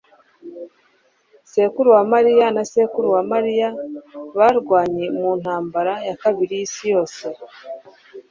Sekuru wa mariya na sekuru wa Mariya barwanye mu Ntambara ya Kabiri y'Isi Yose